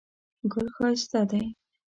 ګل ښایسته دی.